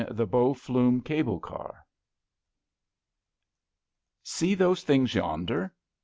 THE BOW FLUME CABLE CAE OEE those things yonder?